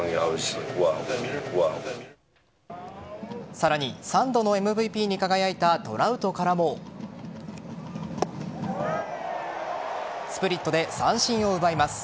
さらに、３度のＭＶＰに輝いたトラウトからもスプリットで三振を奪います。